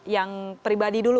yang pribadi dulu